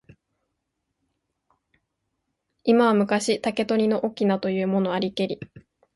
今は昔、竹取の翁というものありけり。